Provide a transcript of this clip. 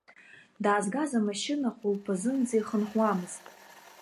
Даазгаз амашьына хәылԥазынӡа ихынҳәуамызт.